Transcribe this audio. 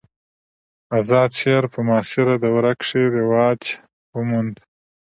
آزاد شعر په معاصره دوره کښي رواج وموند.